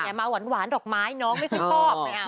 มาหวานดอกไม้น้องไม่ค่อยชอบ